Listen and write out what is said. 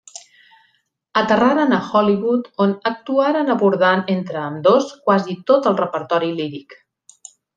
Aterraren a Hollywood, on actuaren abordant entre ambdós quasi tot el repertori líric.